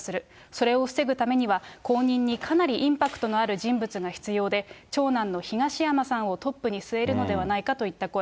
それを防ぐためには、後任にかなりインパクトのある人物が必要で、長男の東山さんをトップに据えるのではないかといった声。